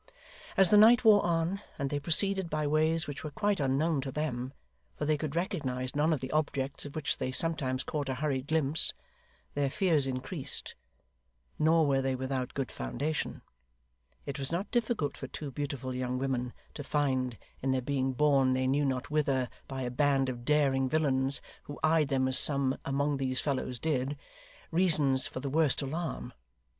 As the night wore on, and they proceeded by ways which were quite unknown to them for they could recognise none of the objects of which they sometimes caught a hurried glimpse their fears increased; nor were they without good foundation; it was not difficult for two beautiful young women to find, in their being borne they knew not whither by a band of daring villains who eyed them as some among these fellows did, reasons for the worst alarm.